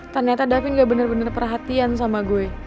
ternyata daving gak bener bener perhatian sama gue